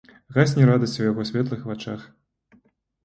Гасне радасць у яго светлых вачах.